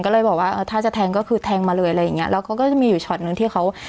ก็เลยบอกว่าเออถ้าจะแทงก็คือแทงมาเลยอะไรอย่างเงี้แล้วเขาก็จะมีอยู่ช็อตนึงที่เขา